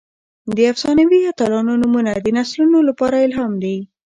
د افسانوي اتلانو نومونه د نسلونو لپاره الهام دي.